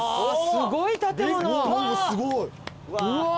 すごい建物うわ！